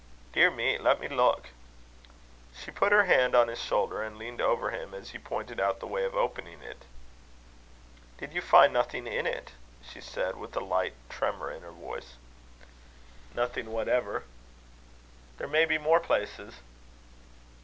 Dear me! Let me look." She put her hand on his shoulder and leaned over him, as he pointed out the way of opening it. "Did you find nothing in it?" she said, with a slight tremour in her voice. "Nothing whatever." "There may be more places."